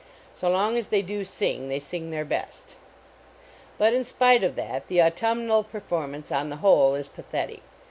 So long as they do sing, they sing their best. But in spite of that, the autumnal perform ance on the whole is pathetic.